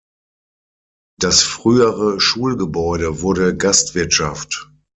Das frühere Schulgebäude wurde Gastwirtschaft.